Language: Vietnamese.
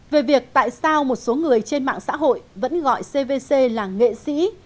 về việc tại sao một số người trên mạng xã hội vẫn gọi cvc là nghệ sĩ